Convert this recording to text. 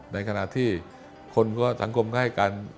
ในขณะที่คนสังคมก็ให้การ